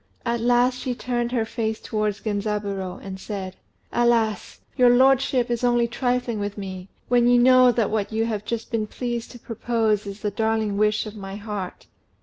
At last she turned her face towards Genzaburô, and said "Alas! your lordship is only trifling with me, when you know that what you have just been pleased to propose is the darling wish of my heart.